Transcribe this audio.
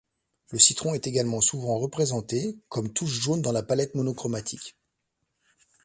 Le citron est également souvent représenté, comme touche jaune dans la palette monochromatique.